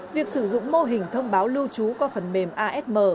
việc sử dụng mô hình thông báo lưu trú qua phần mềm asm